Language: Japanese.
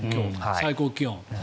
最高気温が。